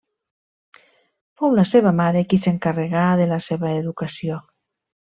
Fou la seva mare qui s'encarregà de la seva educació.